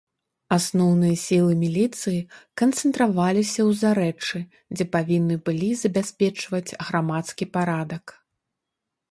Асноўныя сілы міліцыі канцэнтраваліся ў зарэччы, дзе павінны былі забяспечваць грамадскі парадак.